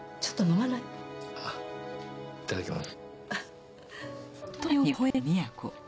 あぁいただきます。